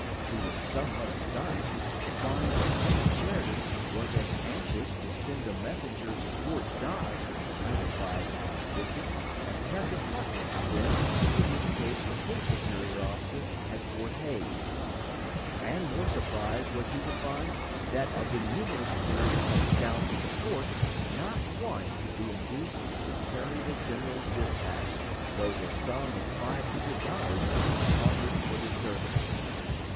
He was somewhat astonished to find that General Sheridan was as anxious to send a messenger to Fort Dodge, ninety five miles distant, as Captain Parker had been to communicate with his superior officer at Fort Hays; and more surprised was he to find that of the numerous couriers and scouts at the fort not one could be induced to carry the general's dispatch, though the sum of $500 was offered for the service.